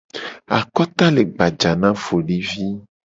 Akota le gbaja na folivi.